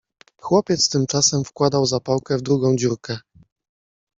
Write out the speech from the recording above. Chłopiec tymczasem wkładał zapałkę w drugą dziurkę.